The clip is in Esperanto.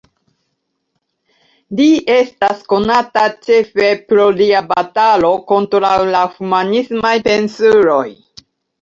Li estas konata ĉefe pro lia batalo kontraŭ la humanismaj pensuloj.